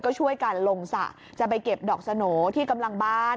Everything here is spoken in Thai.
ก็ช่วยกันลงสระจะไปเก็บดอกสโหน่ที่กำลังบ้าน